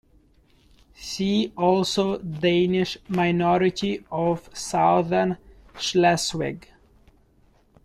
See also Danish minority of Southern Schleswig.